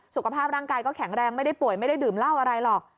สุขภาพร่างกายก็แข็งแรงไม่ได้ป่วยไม่ได้ดื่มเหล้าอะไรหรอก